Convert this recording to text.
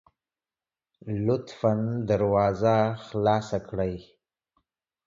لطفا دروازه خلاصه کړئ